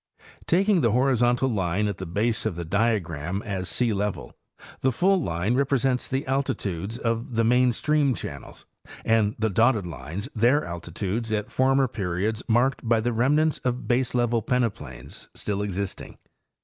Taking the horizontal line at the base of the diagram as sealevel, the full line represents the altitude of the main stream channels and the dotted lines their altitudes at former periods marked by the remnants of baselevel peneplains still existing.